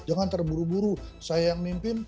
jangan terburu buru saya yang mimpin